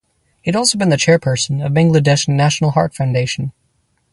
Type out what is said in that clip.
He had also been the Chairperson of Bangladesh National Heart Foundation.